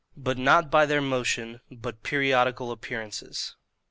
But not by their Motion, but periodical Appearances.